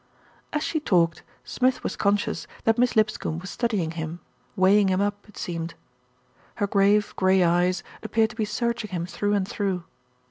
As she talked, Smith was conscious that Miss Lip scombe was studying him, weighing him up, it seemed. Her grave grey eyes appeared to be searching him through and through.